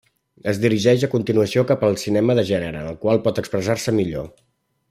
Es dirigeix a continuació cap al cinema de gènere en el qual pot expressar-se millor.